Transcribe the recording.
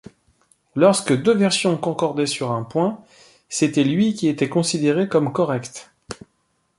Lorsque deux versions concordaient sur un point, c'était lui qui était considéré comme correct.